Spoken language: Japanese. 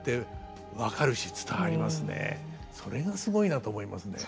それがすごいなと思いますね。